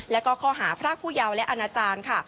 แล้วก็ข้อหาพรากผู้ยาวและอาณาจารย์ค่ะ